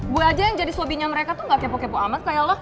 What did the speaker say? gue aja yang jadi suaminya mereka tuh nggak kepo kepo amat kayak lo